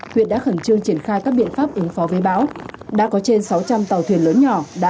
huyện đã khẩn trương triển khai các biện pháp ứng phó với bão đã có trên sáu trăm linh tàu thuyền lớn nhỏ đã